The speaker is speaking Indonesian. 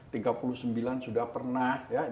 tiga puluh sembilan sudah pernah ya